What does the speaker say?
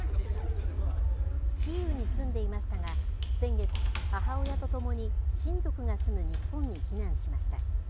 キーウに住んでいましたが、先月、母親と共に親族が住む日本に避難しました。